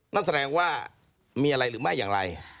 นั่นแสดงว่ามีอะไรหรือไม่อย่างไร